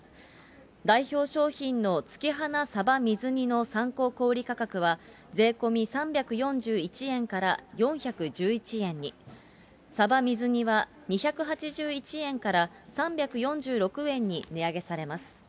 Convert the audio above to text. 代表商品の月花さば水煮の参考小売り価格は、税込み３４１円から４１１円に、さば水煮は２８１円から３４６円に値上げされます。